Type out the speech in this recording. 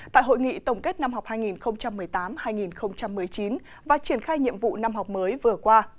tại hội nghị tổng kết năm học hai nghìn một mươi tám hai nghìn một mươi chín và triển khai nhiệm vụ năm học mới vừa qua